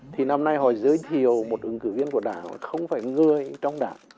thì năm nay họ giới thiệu một ứng cử viên của đảng không phải người trong đảng